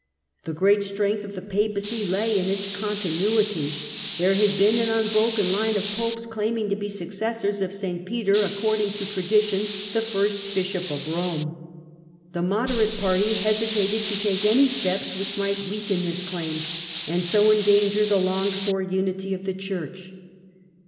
The great strength of the Papacy lay in its continuity : there had been an unbroken line of Popes claiming to be successors of St. Peter, according to tradition the first Bishop of Rome. The moderate party hesitated to take any steps which might weaken this claim and so endanger the longed for unity of the Church.